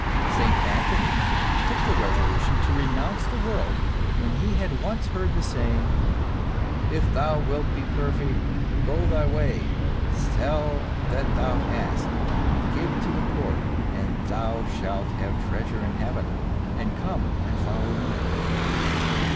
St. Anthony took the resolution to renounce the world when he had once heard the saying, " If thou wilt be perfect, go thy way, sell that thou hast and give to the poor, and thou shalt have treasure in heaven; and come and follow me."